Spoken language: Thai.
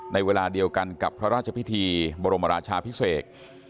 เวลาเดียวกันกับพระราชพิธีบรมราชาพิเศษ